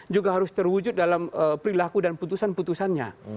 juga harus terwujud dalam perilaku dan putusan putusannya